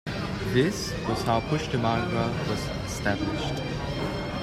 This was how Pushtimarga was established.